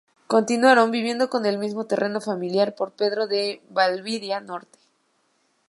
Continuaron viviendo en el mismo terreno familiar en Pedro de Valdivia Norte.